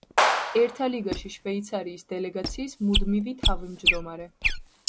ერთა ლიგაში შვეიცარიის დელეგაციის მუდმივი თავმჯდომარე.